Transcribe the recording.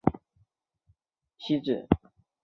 古德伦之子齐格菲的妻子。